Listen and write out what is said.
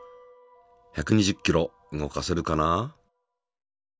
１２０ｋｇ動かせるかな？